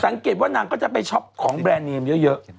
สังเกตว่านางก็จะไปช็อปของแบรนดเนมเยอะ